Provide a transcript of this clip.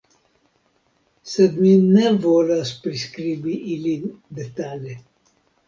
Sed mi ne volas priskribi ilin detale.